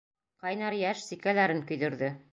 Ҡайнар йәш сикәләрен көйҙөрҙө.